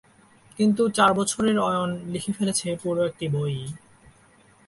কিন্তু চার বছরের অয়ন লিখে ফেলেছে পুরো একটি বই।